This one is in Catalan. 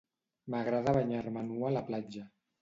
M'agrada banyar-me nua a la platja